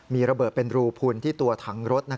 มีระเบิดเป็นรูพุนที่ตัวถังรถ